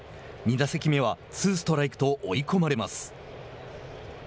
２打席目はツーストライクと追い込まれます。